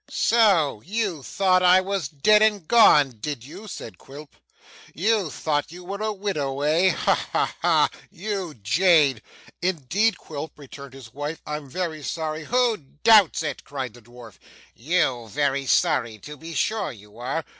'So you thought I was dead and gone, did you?' said Quilp. 'You thought you were a widow, eh? Ha, ha, ha, you jade.' 'Indeed, Quilp,' returned his wife. 'I'm very sorry ' 'Who doubts it!' cried the dwarf. 'You very sorry! to be sure you are.